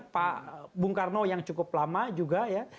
pak bung karno yang cukup lama juga ya